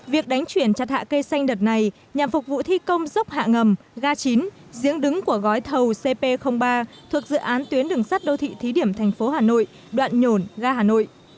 việc đánh chuyển chặt hạ cây xanh đợt này nhằm phục vụ thi công dốc hạ ngầm ga chín giếng đứng của gói thầu cp ba thuộc dự án tuyến đường sắt đô thị thí điểm thành phố hà nội đoạn nhổn ga hà nội